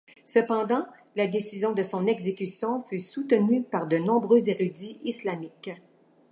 Cependant, la décision de son exécution fut soutenue par de nombreux érudits islamiques.